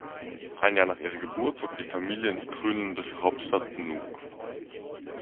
Ein Jahr nach ihrer Geburt zog die Familie in die grönländische Hauptstadt Nuuk.